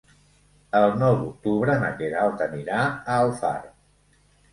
El nou d'octubre na Queralt anirà a Alfarb.